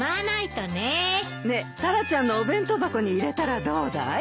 ねえタラちゃんのお弁当箱に入れたらどうだい？